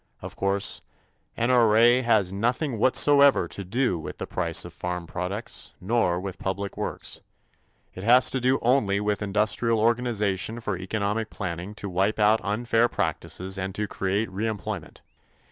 Of course, N.R.A. has nothing whatsoever to do with the price of farm products, nor with public works. It has to do only with industrial organization for economic planning to wipe out unfair practices and to create reemployment.